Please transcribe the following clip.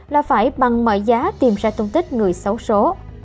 là phải bằng mọi giá tìm ra tung tích người xấu số